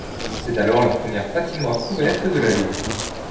C'est alors la première patinoire couverte de la ville.